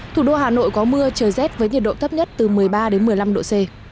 thủ đô hà nội có mưa trời rét với nhiệt độ thấp nhất từ một mươi ba đến một mươi năm độ c